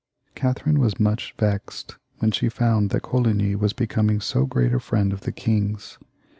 . Catherine was much vexed when she found that Coligny was becoming so great a friend of the king's.